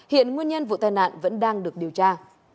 hiện nguyên nhân vụ tai nạn vẫn đang được điều tra